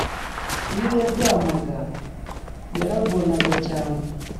Iyo yaryamaga yaragonaga cyane